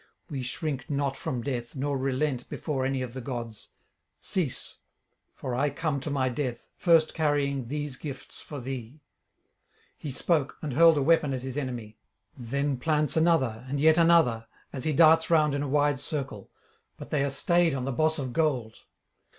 We shrink not from death, nor relent before any of thy gods. Cease; for I come to my death, first carrying these gifts for thee.' He spoke, and hurled a weapon at his enemy; then plants another and yet another as he darts round in a wide circle; but they are stayed on the boss of gold.